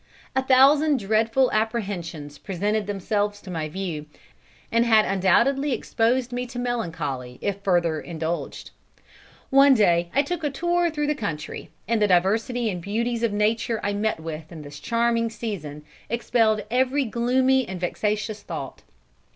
A thousand dreadful apprehensions presented themselves to my view, and had undoubtedly exposed me to melancholy if further indulged. "One day I took a tour through the country, and the diversity and beauties of nature I met with in this charming season, expelled every gloomy and vexatious thought.